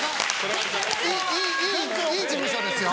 いい事務所ですよ。